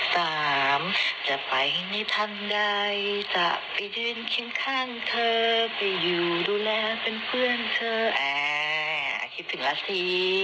๑๒๓จะไปให้ในทางใดจะไปดื่นขึ้นข้างเธอไปอยู่ดูแลเป็นเพื่อนเธอแอ่คิดถึงแล้วสิ